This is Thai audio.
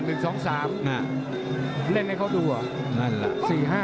เล่นให้เขาดูอ่ะ